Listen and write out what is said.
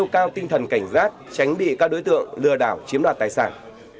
cao tinh thần cảnh giác tránh bị các đối tượng lừa đảo chiếm đoạt tài sản